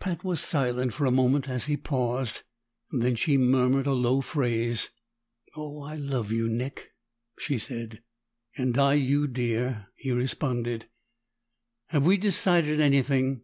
Pat was silent for a moment as he paused, then she murmured a low phrase. "Oh, I love you, Nick!" she said. "And I you, dear," he responded. "Have we decided anything?